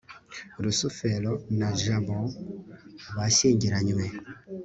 rusufero na jabo bashyingiranywe